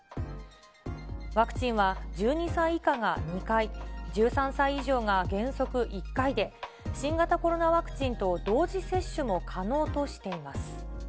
ワクチンは１２歳以下が２回、１３歳以上が原則１回で、新型コロナワクチンと同時接種も可能としています。